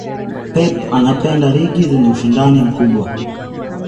pep anapenda ligi zenye ushindani mkubwa